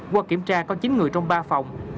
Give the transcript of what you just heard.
qua kiểm tra có chín người trong ba phòng